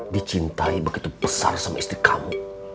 dicintai begitu besar sama istri kamu